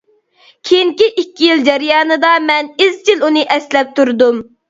كېيىنكى ئىككى يىل جەريانىدا، مەن ئىزچىل ئۇنى ئەسلەپ تۇردۇم.